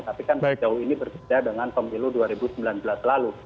tapi kan sejauh ini berbeda dengan pemilu dua ribu sembilan belas lalu